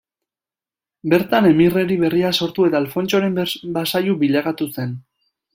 Bertan emirerri berria sortu eta Alfontsoren basailu bilakatu zen.